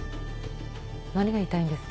何が言いたいんですか？